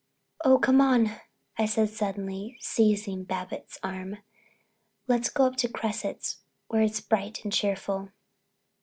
"Oh, come on," I said suddenly, seizing Babbitts' arm. "Let's go up to Cresset's where it's bright and cheerful."